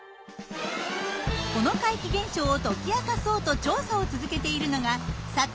この怪奇現象を解き明かそうと調査を続けているのが佐藤拓哉博士。